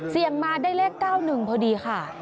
เสี่ยงมาได้เลข๙๑พอดีค่ะ